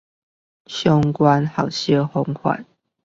最高學習法